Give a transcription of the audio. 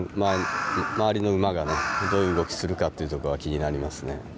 周りの馬がねどういう動きするかっていうとこが気になりますね。